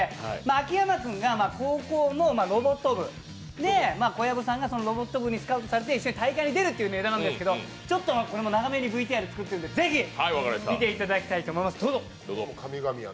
秋山君が高校のロボット部で、小籔さんがロボット部にスカウトされて一緒に大会出るっていうネタなんですけどちょっとこれも長めにＶＴＲを作ってるので、是非、見ていただきたいと思います。